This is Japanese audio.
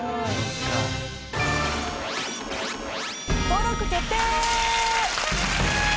登録決定！